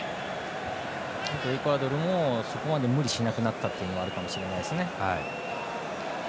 エクアドルもそこまで無理しなくなったというのもあるかもしれないですね。